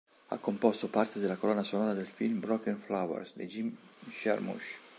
Ha composto parte della colonna sonora del film "Broken Flowers" di Jim Jarmusch.